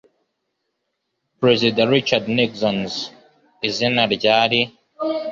Perezida Richard Nixons Izina Ryari